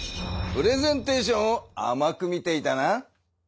プレゼンテーションをあまく見ていたな。